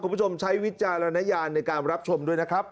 คุณผู้ชมใช้วิจารณญาณในการรับชมด้วยนะครับ